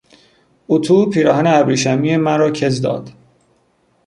اطو پیراهن ابریشمی مرا کز داد.